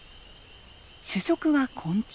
主食は昆虫。